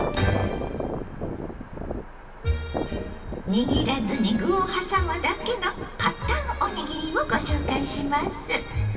握らずに具を挟むだけの「パッタンおにぎり」をご紹介します。